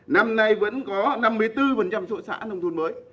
năm nay vẫn có năm mươi bốn sổ sản nông thuận mới